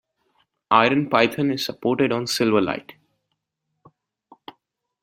IronPython is supported on Silverlight.